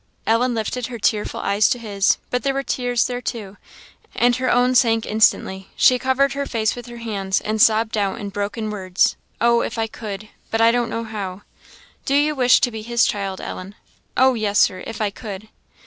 Ellen lifted her tearful eyes to his; but there were tears there too, and her own sank instantly. She covered her face with her hands, and sobbed out in broken words "Oh, if I could! but I don't know how." "Do you wish to be his child, Ellen?" "Oh yes, Sir if I could."